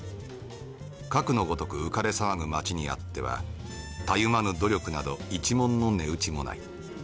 かくのごとく浮かれ騒ぐ街にあってはたゆまぬ努力など一文の値打ちもない。